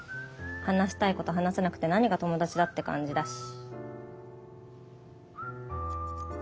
話したいこと話せなくて何が友達だって感じだし。